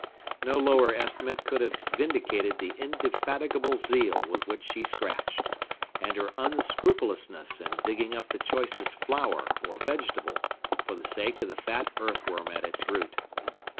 No lower estimate could have vindicated the indefatigable zeal with which she scratched, and her unscrupulousness in digging up the choicest flower or vegetable, for the sake of the fat earthworm at its root.